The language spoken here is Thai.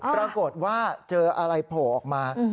ปรากฏว่าเจออะไรโผล่ออกมา